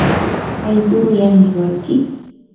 allquullami walkii.